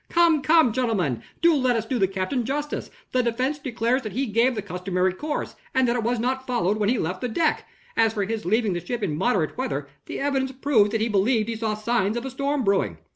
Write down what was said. "Come, come, gentlemen! let us do the captain justice. The defense declares that he gave the customary course, and that it was not followed when he left the deck. As for his leaving the ship in moderate weather, the evidence proves that he believed he saw signs of a storm brewing."